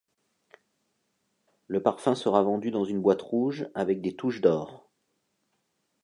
Le parfum sera vendu dans une boîte rouge avec des touches d'or.